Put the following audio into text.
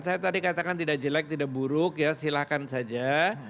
saya tadi katakan tidak jelek tidak buruk ya silakan saja